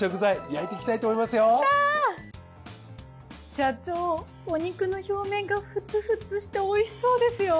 社長お肉の表面がフツフツしておいしそうですよ。